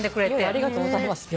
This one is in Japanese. ありがとうございます。